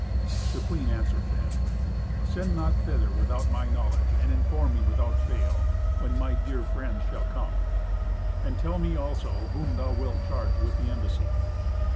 The queen answered then, "Send not thither without my knowledge, and inform me, without fail, when my dear friends shall come. And tell me, also, whom thou wilt charge with the embassy."